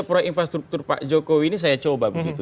proyek infrastruktur pak jokowi ini saya coba begitu